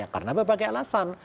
karena berbagai alasan